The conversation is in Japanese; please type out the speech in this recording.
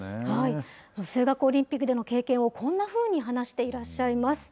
数学オリンピックでの経験をこんなふうに話していらっしゃいます。